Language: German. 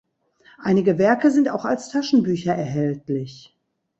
Einige Werke sind auch als Taschenbücher erhältlich.